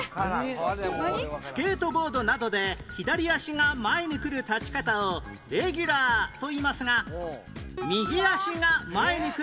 スケートボードなどで左足が前にくる立ち方をレギュラーといいますが